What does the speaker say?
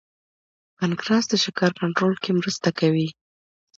پنکراس د شکر کنټرول کې مرسته کوي